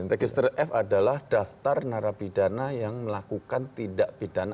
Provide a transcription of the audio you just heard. register f adalah daftar narapidana yang melakukan tindak pidana